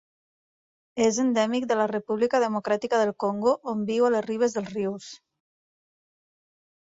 És endèmic de la República Democràtica del Congo, on viu a les ribes dels rius.